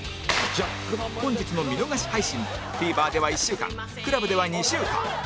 本日の見逃し配信も ＴＶｅｒ では１週間 ＣＬＵＢ では２週間